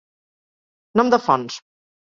Nom de fonts.